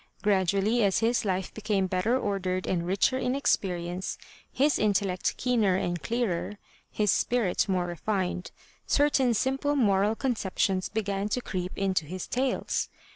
Gradually as his life became better ordered and richer in ex perience, his intellect keener and clearer, his spirit more refined, certain simple moral conceptions began to creep into his tales.